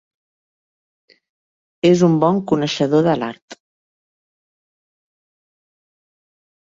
És un bon coneixedor de l'art.